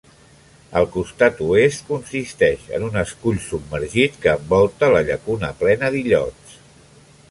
El costat oest consisteix en escull submergit que envolta la llacuna plena d'illots.